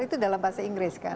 itu dalam bahasa inggris kan